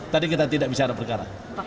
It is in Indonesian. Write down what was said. tadi kita tidak bisa ada perkara